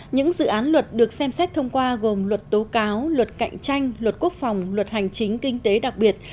những dự án luật được xem xét thông qua gồm luật tố cáo luật cạnh tranh luật quốc phòng luật hành chính kinh tế đặc biệt